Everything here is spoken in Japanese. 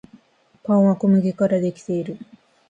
パンは小麦からできている